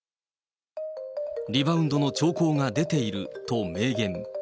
リバウンドの兆候が出ていると明言。